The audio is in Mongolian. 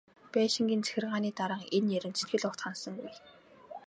Байшингийн захиргааны дарга энэ ярианд сэтгэл огт ханасангүй.